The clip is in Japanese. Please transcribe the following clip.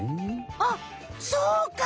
あっそうか！